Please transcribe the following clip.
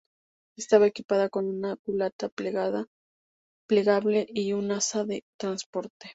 Estaba equipada con una culata plegable y un asa de transporte.